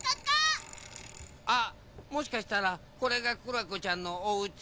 あっもしかしたらこれがクラコちゃんのおうち？